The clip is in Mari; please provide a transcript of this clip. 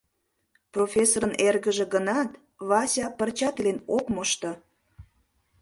Профессорын эргыже гынат, Вася пырчат илен ок мошто.